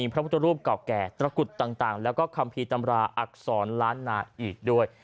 พระพุทธรูปเก่าแก่ตระกุดต่างแล้วก็คัมภีร์ตำราอักษรล้านนาอีกด้วย